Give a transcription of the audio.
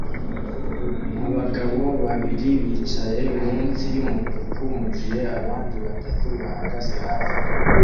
Abagabo babiri bicaye munsi yumutuku mugihe abandi batatu bahagaze hafi